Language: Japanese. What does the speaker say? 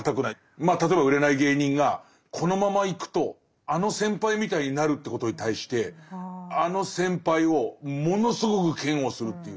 まあ例えば売れない芸人がこのままいくとあの先輩みたいになるということに対してあの先輩をものすごく嫌悪するっていう。